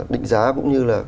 định giá cũng như là